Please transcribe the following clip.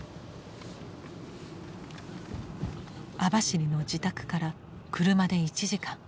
網走の自宅から車で１時間。